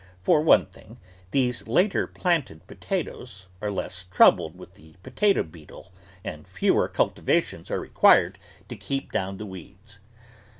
For one thing, these later planted potatoes are less troubled with the potato beetle and fewer cultivations are required to keep down the weeds.